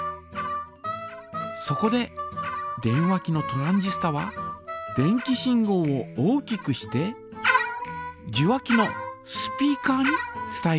そこで電話機のトランジスタは電気信号を大きくして受話器のスピーカーに伝えているのです。